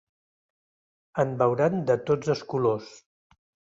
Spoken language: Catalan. En veuran de tots els colors.